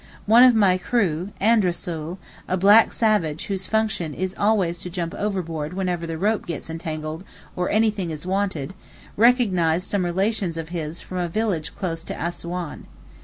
One of my crew, Andrasool, a black savage whose function is always to jump overboard whenever the rope gets entangled or anything is wanted, recognised some relations of his from a village close to Assouan.